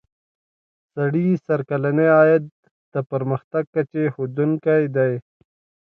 سړي سر کلنی عاید د پرمختګ کچې ښودونکی دی.